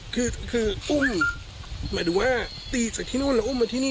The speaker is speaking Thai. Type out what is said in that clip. คืออุ้มหมายถึงว่าตีจากที่นู่นแล้วอุ้มมาที่นี่